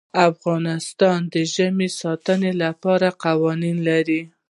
افغانستان د ژمی د ساتنې لپاره قوانین لري.